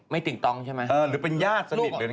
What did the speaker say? พี่น้องจริงนะคือ